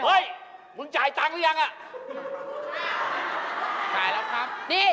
เฮ่ยมึงจ่ายตังคู่หรือยัง